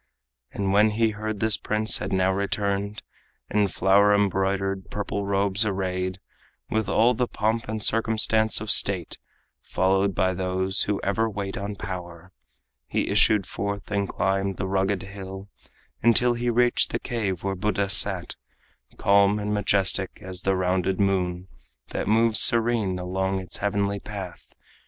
And when he heard this prince had now returned, In flower embroidered purple robes arrayed, With all the pomp and circumstance of state, Followed by those who ever wait on power, He issued forth and climbed the rugged hill Until he reached the cave where Buddha sat, Calm and majestic as the rounded moon That moves serene along its heavenly path.